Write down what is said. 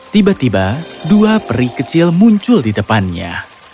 tiba tiba dua peri kecil muncul di depannya